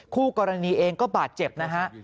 คู่กรณีเองก็บาดเจ็บนะฮะ